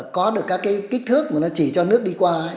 có được các cái kích thước mà nó chỉ cho nước đi qua